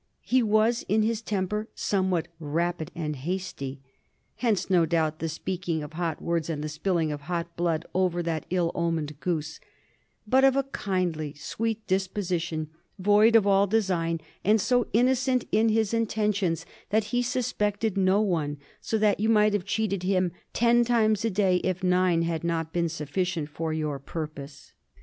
He was, in his temper, somewhat rapid and hasty "— ^hence, no doubt, the speaking of hot words and the spilling of hot blood over that ill omened goose —" but of a kindly, sweet disposition, void of all de sign, and so innocent in his intentions that he suspected no one, so that you might have cheated him ten times a day if nine had not been sufficient for your purpose.'